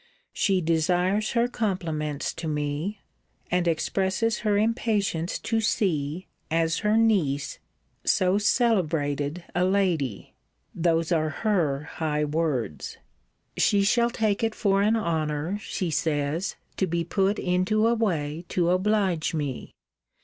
She desires her compliments to me; and expresses her impatience to see, as her niece, so celebrated a lady [those are her high words]. She shall take it for an honour, she says, to be put into a way to oblige me.